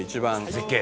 「絶景？」